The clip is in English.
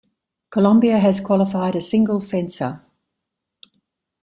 Colombia has qualified a single fencer.